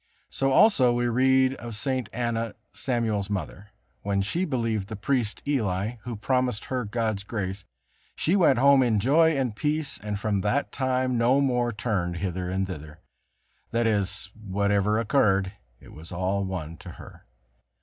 So also we read of St. Anna, Samuel's mother: "When she believed the priest Eli who promised her God's grace, she went home in joy and peace, and from that time no more turned hither and thither," that is, whatever occurred, it was all one to her.